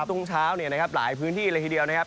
ตรงเช้าเนี่ยนะครับหลายพื้นที่เลยทีเดียวนะครับ